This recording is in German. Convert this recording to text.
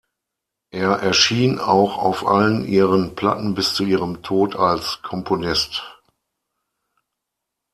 Er erschien auch auf allen ihren Platten bis zu ihrem Tod als Komponist.